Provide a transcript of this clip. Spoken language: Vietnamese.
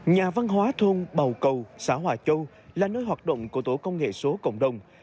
nhà văn hóa thôn bầu cầu xã hòa châu là nơi hoạt động của tổ công nghệ số cộng đồng